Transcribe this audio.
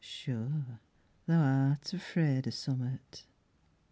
Sure, tha'rt afraid o' summat.